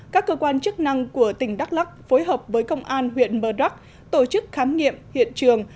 các cơ quan chức năng của tỉnh đắk lắc phối hợp với công an huyện mờ đắc tổ chức khám nghiệm hiện trường